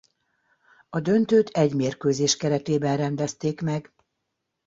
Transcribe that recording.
A döntőt egy mérkőzés keretében rendezték meg.